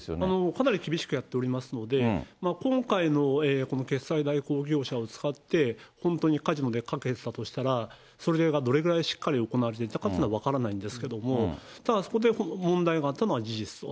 かなり厳しくやっておりますので、今回のこの決済代行業者を使って、本当にカジノで賭けてたとしたら、それがどれぐらいしっかり行われていたかというのは分からないんですけども、ただそこで問題があったのは事実と。